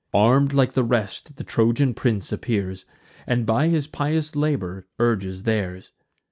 Arm'd like the rest the Trojan prince appears, And by his pious labour urges theirs.